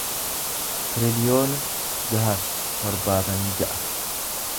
tiriliyoona jaha fi torbaatamii ja'a